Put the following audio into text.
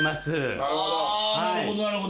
あなるほどなるほど。